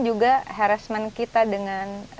juga harassment kita dengan